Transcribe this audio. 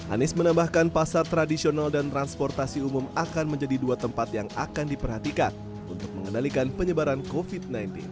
anies menambahkan pasar tradisional dan transportasi umum akan menjadi dua tempat yang akan diperhatikan untuk mengendalikan penyebaran covid sembilan belas